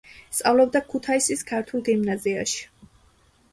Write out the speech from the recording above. სწავლობდა ქუთაისის ქართულ გიმნაზიაში.